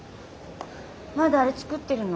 まだあれ作ってるの？